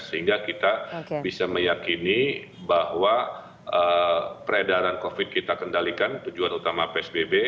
sehingga kita bisa meyakini bahwa peredaran covid kita kendalikan tujuan utama psbb